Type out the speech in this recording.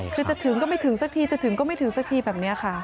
คือจะถึงก็ไม่ถึงสักทีจะถึงก็ไม่ถึงสักทีแบบนี้ค่ะ